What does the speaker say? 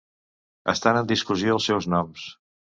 Estan en discussió els seus noms.